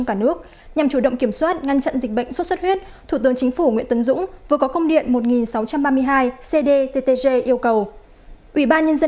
các bạn hãy đăng ký kênh để ủng hộ kênh của chúng mình nhé